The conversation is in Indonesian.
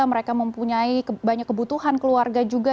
mereka mempunyai banyak kebutuhan keluarga juga